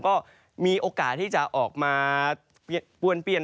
ก็มีโอกาสที่จะออกมาปวนเปลี่ยน